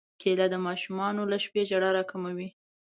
کېله د ماشوم له شپې ژړا راکموي.